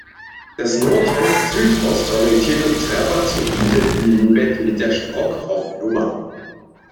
Das Nordwest-Südost orientierte trapezoide Hünenbett mit der Sprockhoff-Nr.